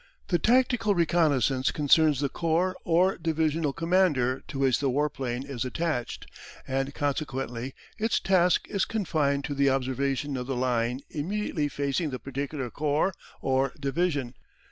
The tactical reconnaissance concerns the corps or divisional commander to which the warplane is attached, and consequently its task is confined to the observation of the line immediately facing the particular corps or division.